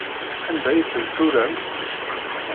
Anda ay tent-turamt?